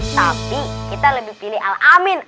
tapi kita lebih pilih al amin